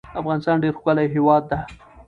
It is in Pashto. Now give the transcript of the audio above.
افغانستان ډیر ښکلی هیواد ده